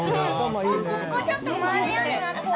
ここちょっと回るようになった。